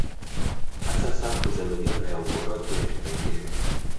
Hasa safu za milima ya Uporoto na ya Kipengere